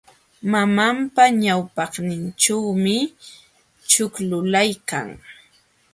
Mamanpa ñawpaqninćhuumi ćhukćhulaykan.